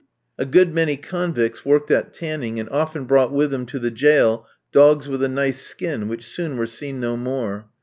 A good many convicts worked at tanning, and often brought with them to the jail dogs with a nice skin, which soon were seen no more.